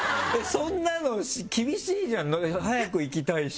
そんなの厳しいじゃん早く行きたいし。